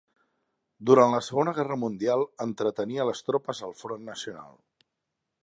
Durant la Segona Guerra Mundial entretenia les tropes al front nacional.